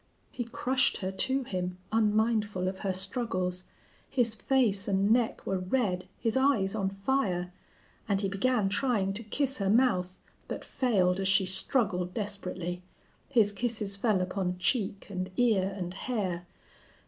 He crushed her to him, unmindful of her struggles; his face and neck were red; his eyes on fire. And he began trying to kiss her mouth, but failed, as she struggled desperately. His kisses fell upon cheek and ear and hair.